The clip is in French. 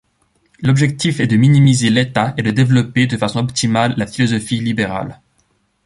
L'objectif est de minimiser l'État et de développer de façon optimale la philosophie libérale.